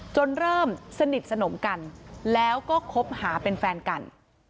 เริ่มสนิทสนมกันแล้วก็คบหาเป็นแฟนกัน